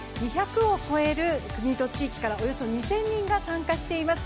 ２００を超える国と地域からおよそ２０００人が参加しています。